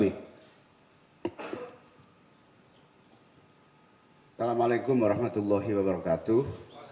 assalamu'alaikum warahmatullahi wabarakatuh